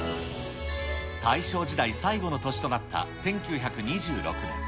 大正時代最後の年となった１９２６年。